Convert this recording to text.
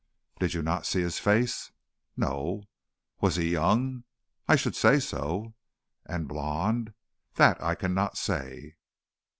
"Did you not see his face?" "No." "Was he young?" "I should say so." "And blond?" "That I cannot say."